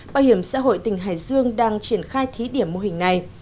bảo hiểm xã hội tỉnh hải dương đang triển khai thí điểm mô hình này